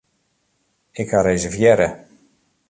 Ik ha reservearre.